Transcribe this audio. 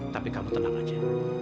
tapi kamu tenang saja